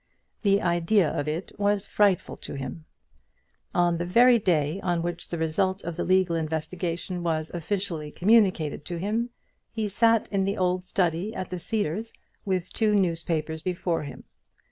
The idea of it was frightful to him. On the very day on which the result of the legal investigation was officially communicated to him, he sat in the old study at the Cedars with two newspapers before him.